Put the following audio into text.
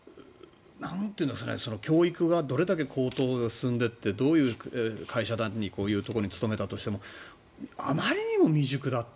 教育がどれだけ高等で進んでいってどういう会社にこういうところに勤めたとしてもあまりにも未熟だって。